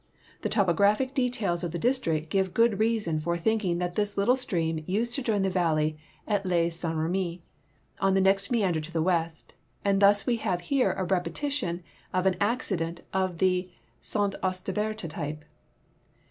The topograjdiic details of the district give good reason for thinking that this little stream used to join the valley at Lay St. Remy on the next meander to the west, and thus we have here a repetition of an accident of the Ste. Austreberte type.